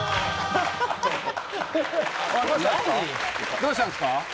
どうしたんですか？